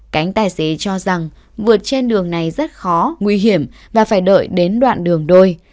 cánh tài xế cho rằng vượt trên đường này rất khó nguy hiểm và phải đợi đến đoạn đường đôi